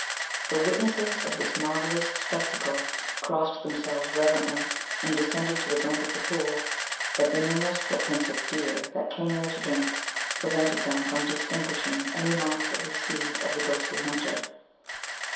The witnesses of this marvellous spectacle crossed themselves reverently, and descended to the brink of the pool; but the numerous footprints of deer, that came there to drink, prevented them from distinguishing any marks of the steed of the ghostly hunter.